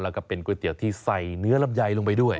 แล้วก็เป็นก๋วยเตี๋ยวที่ใส่เนื้อลำไยลงไปด้วย